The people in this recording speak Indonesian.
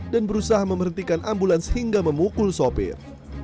dan berusaha memerhentikan ambulans hingga memukul sopir